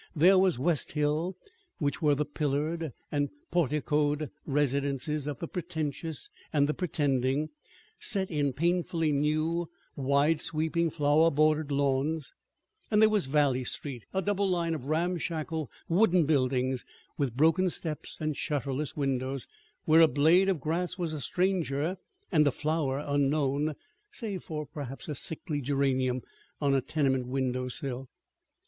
There was West Hill, where were the pillared and porticoed residences of the pretentious and the pretending, set in painfully new, wide sweeping, flower bordered lawns; and there was Valley Street, a double line of ramshackle wooden buildings with broken steps and shutterless windows, where a blade of grass was a stranger and a flower unknown, save for perhaps a sickly geranium on a tenement window sill.